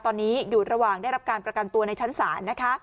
ตอนนี้อยู่ระหว่างได้รับการประกันตัวในชั้นศาลนะคะ